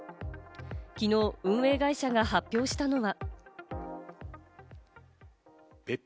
きのう運営会社が発表したのは。